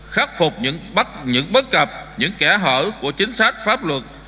khắc phục những bất cập những kẻ hở của chính sách pháp luật